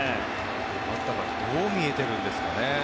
バッターはどう見えているんですかね。